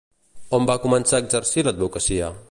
On va començar a exercir l'advocacia?